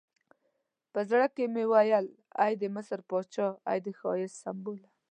په زړه کې مې ویل ای د مصر پاچا، ای د ښایست سمبوله.